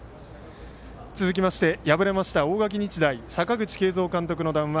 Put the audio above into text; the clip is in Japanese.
続きまして敗れました大垣日大阪口慶三監督の談話